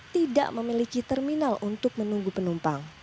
tidak memiliki terminal untuk menunggu penumpang